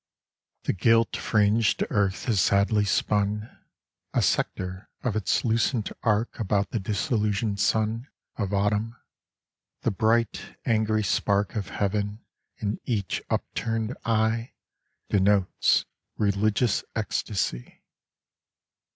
THE gilt f ring' d earth has sadly spun A sector of its lucent arc About the disillusioned Sun Of Autumn, The bright, angry spark Of Heaven in each upturned eye Denotes religious ecstasy.